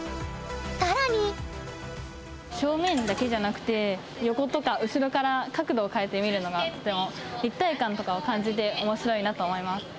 更に横とか後ろから角度を変えて見るのがとても立体感とかを感じて面白いなと思います。